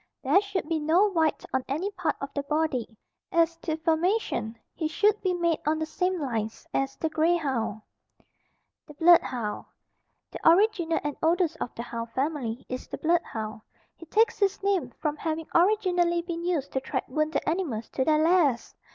There should be no white on any part of the body. As to formation, he should be made on the same lines as the grey hound. THE BLOOD HOUND. The original and oldest of the hound family is the blood hound. He takes his name from having originally been used to track wounded animals to their lairs.